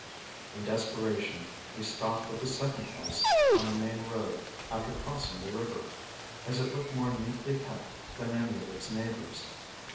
In desperation we stopped at the second house on the main road after crossing the river, as it looked more neatly kept than any of its neighbors.